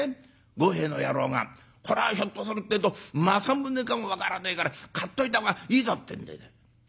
ごへえの野郎が『こらひょっとするてえと正宗かも分からねえから買っといた方がいいぞ』ってんでね。